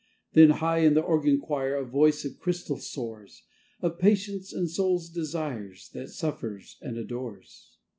Then high in the organ choir A voice of crystal soars, Of patience and soul's desire, That suffers and adores.